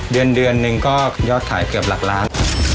เดือนหนึ่งก็ศพขายเกือบหลักล้าน